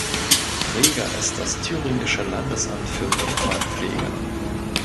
Träger ist das Thüringische Landesamt für Denkmalpflege.